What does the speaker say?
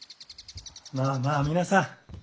まあまあ皆さん